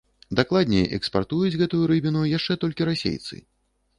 Дакладней, экспартуюць гэтую рыбіну яшчэ толькі расейцы.